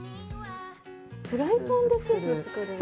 フライパンでスープ作るんだ！